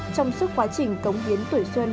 trong suốt quá trình cống hiến tuổi xuân